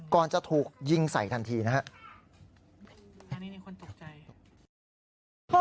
ก่อนจะถูกยิงใส่ทันทีนะครับ